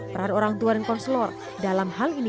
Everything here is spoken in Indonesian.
peran orang tua dan konselor dalam hal ini